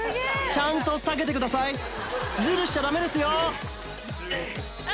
ちゃんと下げてくださいずるしちゃダメですよ！